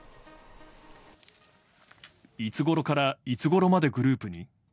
いつごろからいつごろまでグループに？